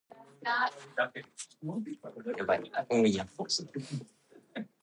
She claims she was taken from her home in Potemkin.